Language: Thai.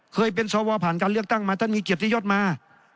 เคยเป็นสวผ่านการเลือกตั้งมาท่านมีเกียรติยศมา